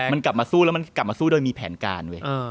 มันกลับมาสู้แล้วมันกลับมาสู้โดยมีแผนการเว้ย